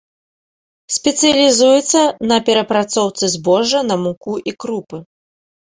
Спецыялізуецца на перапрацоўцы збожжа на муку і крупы.